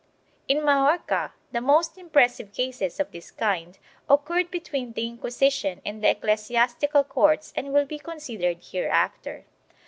In Majorca the most impressive cases of this kind occurred between the Inquisition and the ecclesiastical courts and will be considered hereafter.